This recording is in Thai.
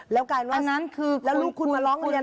แล้วกลายเป็นว่าแล้วลูกคุณมาร้องเรียน